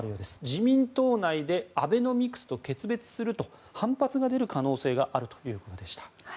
自民党内でアベノミクスと決別すると反発が出る可能性があるということでした。